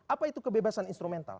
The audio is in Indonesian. apa itu kebebasan instrumental